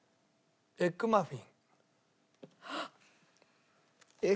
エッグマフィン？